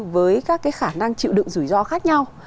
với các cái khả năng chịu đựng rủi ro khác nhau